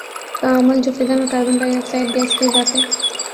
کا عمل جو فضا میں کاربن ڈائی آکسائیڈ گیس کے اضافے